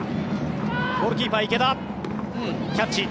ゴールキーパー、池田キャッチ。